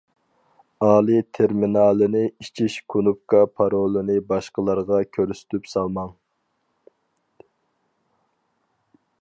ئالىي تېرمىنالىنى ئېچىش كۇنۇپكا پارولىنى باشقىلارغا كۆرسىتىپ سالماڭ!